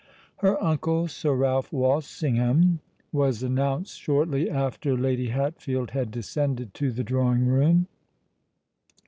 Her uncle, Sir Ralph Walsingham, was announced shortly after Lady Hatfield had descended to the drawing room.